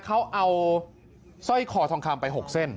เขาเอาสร้อยคอทองคำไป๖เส้น